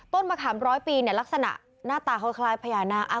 มะขามร้อยปีเนี่ยลักษณะหน้าตาเขาคล้ายพญานาค